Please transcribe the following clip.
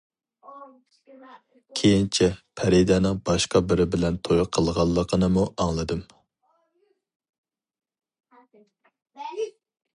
كېيىنچە پەرىدەنىڭ باشقا بىرى بىلەن توي قىلغانلىقىنىمۇ ئاڭلىدىم.